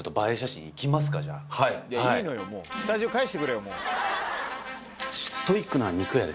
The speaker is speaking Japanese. いいのよもうスタジオ返してくれよ。